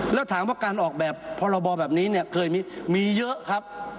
แล้วถามว่าการออกแบบพรบแบบนี้เนี่ยเคยมีเยอะครับ